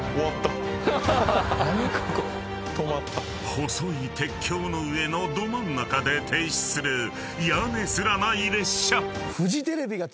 ［細い鉄橋の上のど真ん中で停止する屋根すらない列車］